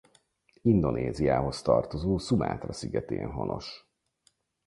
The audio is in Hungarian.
Indonéziához tartozó Szumátra szigetén honos.